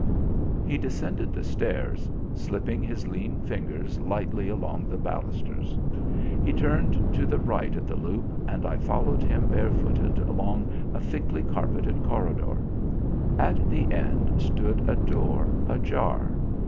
He descended the stairs, slipping his lean fingers lightly along the balusters. He turned to the right at the loop, and I followed him barefooted along a thickly carpeted corridor. At the end stood a door ajar.